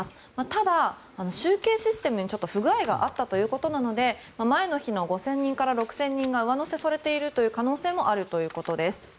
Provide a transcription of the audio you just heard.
ただ、集計システムにちょっと不具合があったということなので前の日の５０００人から６０００人が上乗せされている可能性もあるということです。